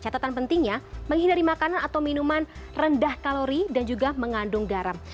catatan pentingnya menghindari makanan atau minuman rendah kalori dan juga mengandung garam